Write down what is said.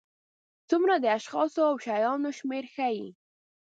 څومره د اشخاصو او شیانو شمېر ښيي.